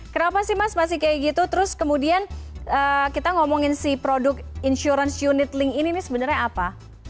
kenapa sih mas masih kayak gitu terus kemudian kita ngomongin si produk insurance unit link ini sebenarnya apa